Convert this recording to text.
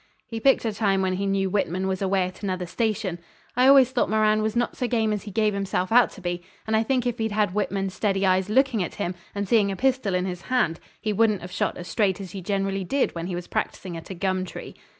He picked a time when he knew Whitman was away at another station. I always thought Moran was not so game as he gave himself out to be. And I think if he'd had Whitman's steady eyes looking at him, and seeing a pistol in his hand, he wouldn't have shot as straight as he generally did when he was practising at a gum tree.